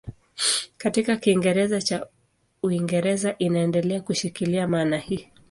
Katika Kiingereza cha Uingereza inaendelea kushikilia maana hii.